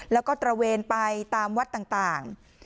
แล้วก็ตระเวนไปตามวัดต่าง